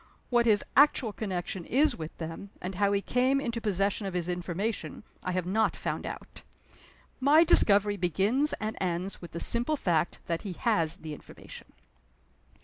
What his actual connection is with them, and how he came into possession of his information, I have not found out. My discovery begins and ends with the simple fact that he has the information."